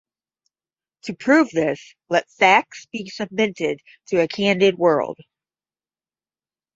To prove this, let Facts be submitted to a candid world.